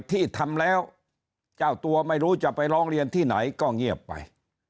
ที่ทำแล้วเจ้าตัวไม่รู้จะไปร้องเรียนที่ไหนก็เงียบไป